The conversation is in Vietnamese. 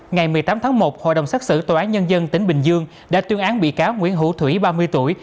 ngày một mươi tám tháng một hội đồng xác xử tòa án nhân dân tỉnh bình dương đã tuyên án bị cáo nguyễn hữu thủy ba mươi tuổi